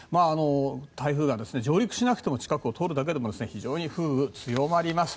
台風は上陸しなくても近くを通るだけでも非常に風雨強まります。